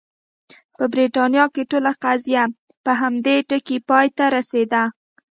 په برېټانیا کې ټوله قضیه په همدې ټکي پای ته رسېده.